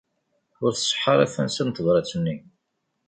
Ur tseḥḥa ara tansa n tebrat-nni.